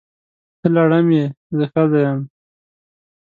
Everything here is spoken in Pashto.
ته لړم یې! زه ښځه یم.